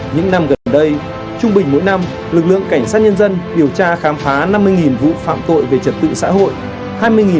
những năm gần đây trung bình mỗi năm lực lượng cảnh sát nhân dân điều tra khám phá năm mươi vụ phạm tội về trật tự xã hội